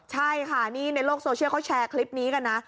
ใช่ค่ะนี่ในโลกโซเชียลเขาแชร์คลิปนี้กันนะ